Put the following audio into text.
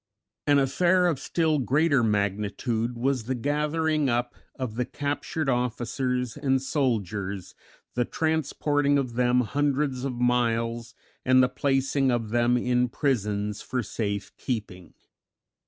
An affair of still greater magnitude was the gathering up of the captured officers and soldiers, the transporting of them hundreds of miles, and the placing of them in prisons for safe keeping.